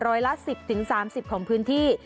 ร้อยละ๑๐๓๐ของพื้นที่